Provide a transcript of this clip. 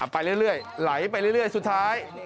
ไปเรื่อยไหลไปเรื่อยสุดท้าย